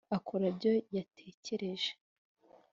akora ibyo yatekereje